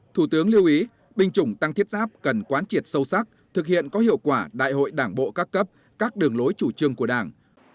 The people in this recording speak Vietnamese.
thủ tướng lưu ý binh chủng tăng thiết giáp cần quán triệt sâu sắc thực hiện có hiệu quả đại hội đảng bộ các cấp các đường lối chủ trương của đảng